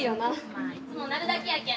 まあいつも鳴るだけやけん。